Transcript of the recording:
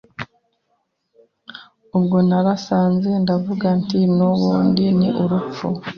Ubwo naranze ndavuga nti nubundi ni ugupfa